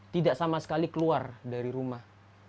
tidak sama sekali keluar dari rumah